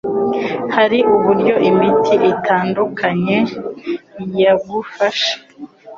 Hari uburyo imiti itandukanye yagufasha